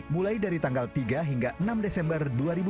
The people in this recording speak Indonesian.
mulai dari tanggal tiga hingga enam desember dua ribu dua puluh